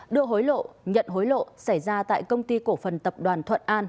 đưa hối lộ nhận hối lộ xảy ra tại công ty cổ phần tập đoàn thuận an